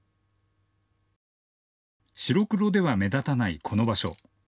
白黒では目立たないこの場所。